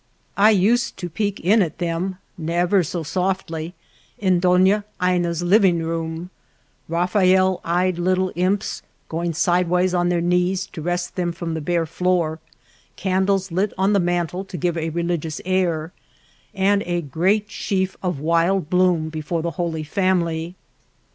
I used to peek in at them, never so softly, in Dona Ina's living room ; Raphael eyed little imps, going sidewise on their knees to rest them from the bare floor, candles lit on the mantel to give a religious air, and a great sheaf of wild bloom before the Holy Family.